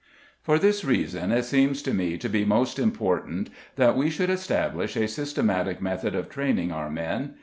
For this reason it seems to me to be most important that we should establish a systematic method of training our men.